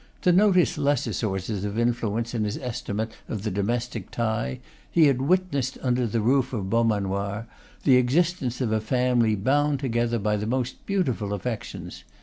To notice lesser sources of influence in his estimate of the domestic tie, he had witnessed under the roof of Beaumanoir the existence of a family bound together by the most beautiful affections.